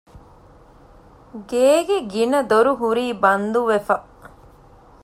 ގޭގެ ގިނަ ދޮރު ހުރީ ބަންދުވެފަ